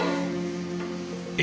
え？